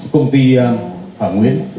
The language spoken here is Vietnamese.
công ty phạm nguyễn